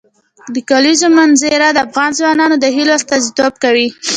د کلیزو منظره د افغان ځوانانو د هیلو استازیتوب کوي.